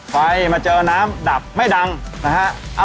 มาเจอน้ำดับไม่ดังนะฮะ